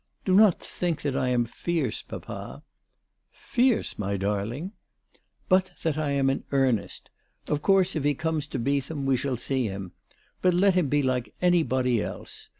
" Do not think that I am fierce, papa." " Fierce, my darling !"" But that I am in earnest. Of course, if he comes to Beetham we shall see him. But let him be like anybody else.